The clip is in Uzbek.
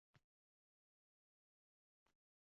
Mirzohid kiyimni tortib pastga oldi